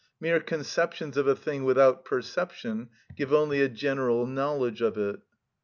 Mere conceptions of a thing without perception give only a general knowledge of it.